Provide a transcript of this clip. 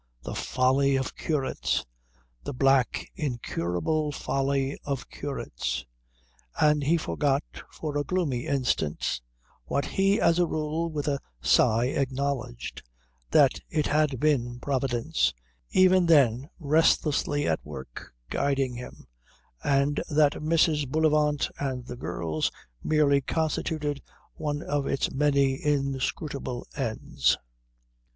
The folly of curates! The black incurable folly of curates. And he forgot for a gloomy instant what he as a rule with a sigh acknowledged, that it had all been Providence, even then restlessly at work guiding him, and that Mrs. Bullivant and the girls merely constituted one of its many inscrutable ends.